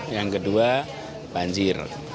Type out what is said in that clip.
yang kedua banjir